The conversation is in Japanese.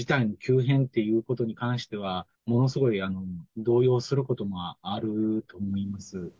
事態の急変ということに関しては、ものすごい動揺することがあると思います。